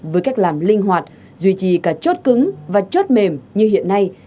với cách làm linh hoạt duy trì cả chốt cứng và chốt mềm như hiện nay